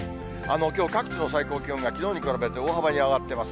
きょう、各地の最高気温が、きのうに比べて大幅に上がってます。